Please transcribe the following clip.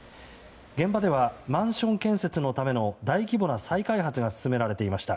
現場ではマンション建設のための大規模な再開発が進められていました。